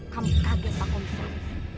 kamu kaget pak komisaris